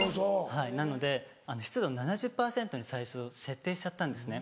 なので湿度７０％に最初設定しちゃったんですね。